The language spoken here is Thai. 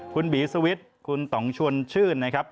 คุณบีซวิทคุณต่องชวนชื่น